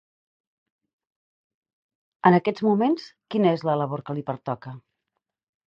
En aquests moments, quina és la labor que li pertoca?